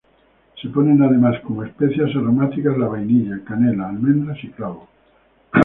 Se ponen además como especias aromáticas la vainilla, canela, almendras y clavo.